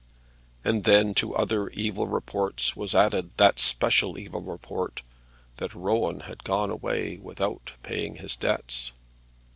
And then to other evil reports was added that special evil report, that Rowan had gone away without paying his debts.